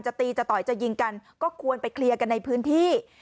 ตีจะต่อยจะยิงกันก็ควรไปเคลียร์กันในพื้นที่